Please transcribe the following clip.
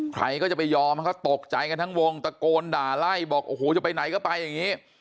ใครก็จะไปยอมเขาตกใจกันทั้งวงตะโกนด่าไล่บอกโอ้โหจะไปไหนก็ไปอย่างนี้